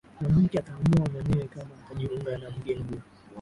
Mwanamke ataamua mwenyewe kama atajiunga na mgeni huyo